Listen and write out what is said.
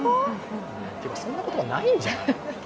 というか、そんな言葉ないんじゃない？